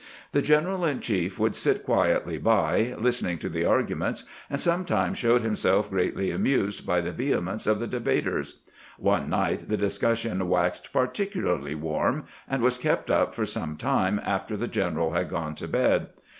The general in cMef would sit quietly by, listening to the ar guments, and solnetimes showed himself greatly amused by the vehemence of the debaters. One night the dis cussion waxed particularly warm, and was kept up for some time after the general had gone to bed.